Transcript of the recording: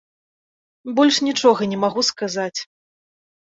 Больш нічога не магу сказаць.